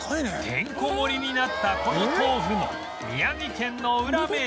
てんこ盛りになったこの豆腐も宮城県のウラ名物